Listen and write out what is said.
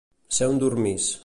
Ser un dormís.